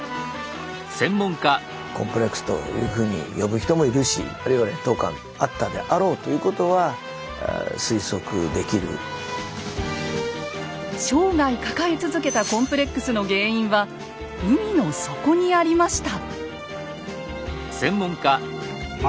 コンプレックスというふうに呼ぶ人もいるしあるいは生涯抱え続けたコンプレックスの原因は海の底にありました。